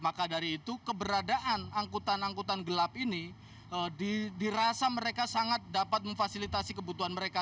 maka dari itu keberadaan angkutan angkutan gelap ini dirasa mereka sangat dapat memfasilitasi kebutuhan mereka